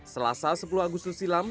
selasa sepuluh agustus silam